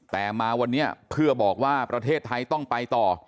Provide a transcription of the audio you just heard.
แต่มาวันนี้เพื่อบอกว่าประเทศไทยต้องไปต่อ